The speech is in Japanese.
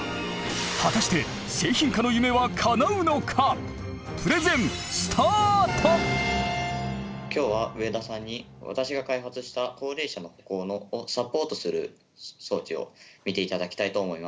果たして今日は植田さんに私が開発した高齢者の歩行をサポートする装置を見ていただきたいと思います。